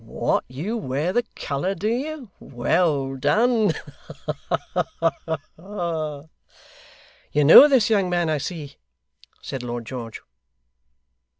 What, you wear the colour, do you? Well done! Ha ha ha!' 'You know this young man, I see,' said Lord George.